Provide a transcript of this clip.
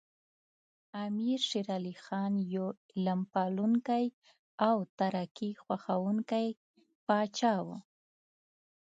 امیر شیر علی خان یو علم پالونکی او ترقي خوښوونکی پاچا و.